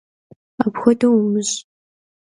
Apxuedeu vumış'!